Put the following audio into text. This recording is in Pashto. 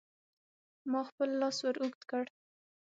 ما خپل لاس ور اوږد کړ.